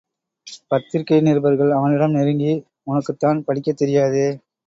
பத்திரிகை நிருபர்கள் அவனிடம் நெருங்கி— உனக்குத்தான் படிக்கத்தெரியாதே?